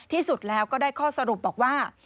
ที่สุดแล้วก็ได้ข้อสรุปบอกว่า